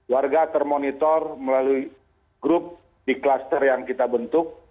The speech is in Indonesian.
warga termonitor melalui grup di kluster yang kita bentuk